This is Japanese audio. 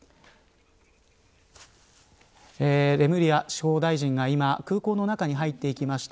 レムリヤ司法大臣が空港の中に入っていきました。